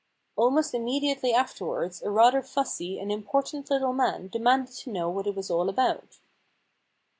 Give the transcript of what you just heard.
Almost immediately afterwards a rather fussy and important little man demanded to know what it was all about.